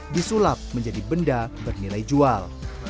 disulap menjadi benda bernilai jual